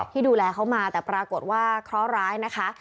ที่ดูแลเขามาแต่ปรากฏว่าเคราะห์ร้ายนะคะ